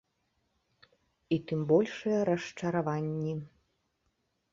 І тым большыя расчараванні.